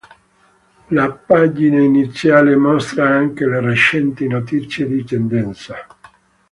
La pagina iniziale mostra anche le recenti notizie di tendenza.